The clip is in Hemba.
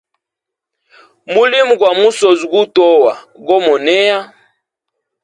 Mulimo gwa musozi gutowa gomoneya.